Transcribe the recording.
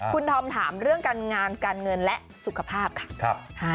คุณธอมถามเรื่องการงานการเงินและสุขภาพค่ะ